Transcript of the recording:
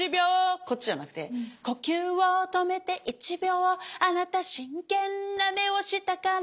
こっちじゃなくて「呼吸を止めて１秒あなた真剣な目をしたから」